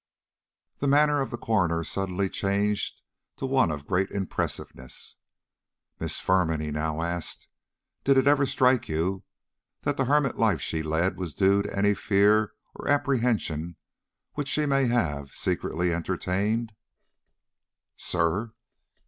The manner of the coroner suddenly changed to one of great impressiveness. "Miss Firman," he now asked, "did it ever strike you that the hermit life she led was due to any fear or apprehension which she may have secretly entertained?" "Sir?"